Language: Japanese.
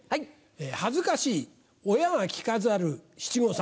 恥ずかしい親が着飾る七五三。